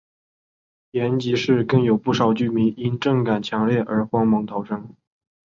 延吉市更有不少居民因震感强烈而慌忙逃生。